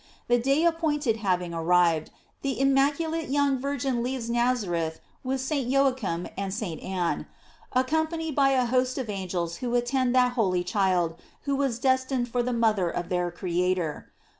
The day appointed having arrived, the immaculate young Virgin leaves Nazareth with St. Joachim and St. Anne, accompanied by a host of angels who at tend that holy child who was destined for the mother of their Creator.